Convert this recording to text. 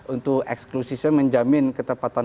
untuk eksklusifnya menjamin ketepatan